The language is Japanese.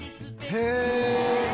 へえ！